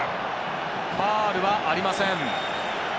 ファウルはありません。